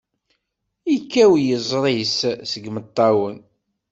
Yekkaw yiẓri-s seg imeṭṭawen.